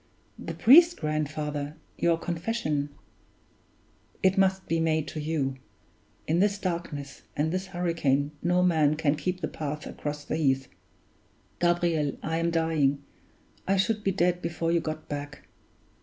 "The priest, grandfather your confession " "It must be made to you. In this darkness and this hurricane no man can keep the path across the heath. Gabriel, I am dying I should be dead before you got back.